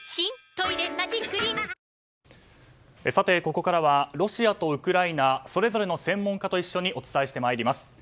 ここからはロシアとウクライナそれぞれの専門家と一緒にお伝えしてまいります。